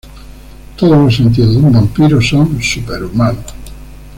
Todos los sentidos de un vampiro son superhumanos.